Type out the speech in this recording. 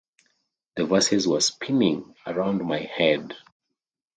The verses were spinning around my head.